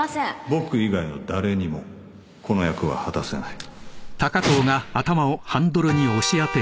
僕以外の誰にもこの役は果たせない